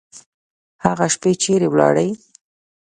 هغه شپې چیري ولاړې؟